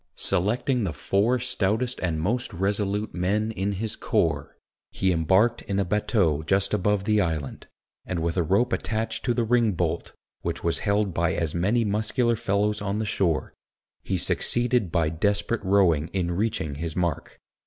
Selecting the four stoutest and most resolute men in his corps, he embarked in a batteau just above the island, and with a rope attached to the ring bolt, which was held by as many muscular fellows on the shore, he succeeded by desperate rowing in reaching his mark.